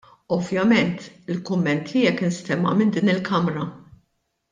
Ovvjament il-kumment tiegħek instema' minn din il-Kamra.